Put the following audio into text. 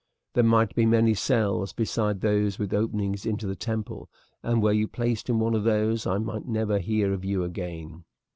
There might be many cells besides those with openings into the temple, and were you placed in one of these I might never hear of you again.